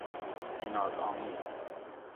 عنادآمیز